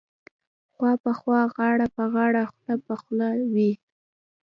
خوا په خوا غاړه په غاړه خوله په خوله وې.